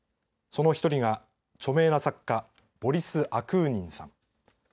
その１人が著名な作家、ボリス・アクーニンさん。